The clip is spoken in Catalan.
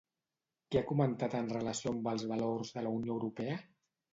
Què ha comentat en relació amb els valors de la Unió Europea?